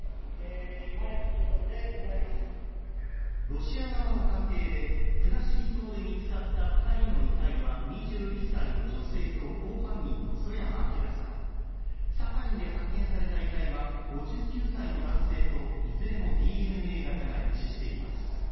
ロシア側の鑑定で国後島で見つかった２人の遺体は２１歳の女性と甲板員の曽山聖さん、サハリンで発見された遺体は５９歳の男性といずれもＤＮＡ型が一致しています。